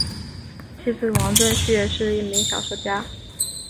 其子王震绪也是一名小说家。